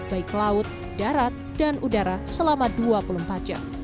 baik laut darat dan udara selama dua puluh empat jam